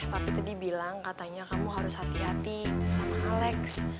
hmm papi tadi bilang katanya kamu harus hati hati sama kak alex